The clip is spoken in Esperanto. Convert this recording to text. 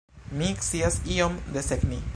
Mi scias iom desegni.